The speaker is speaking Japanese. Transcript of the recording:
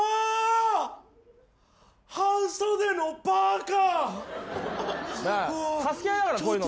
半袖のパーカ！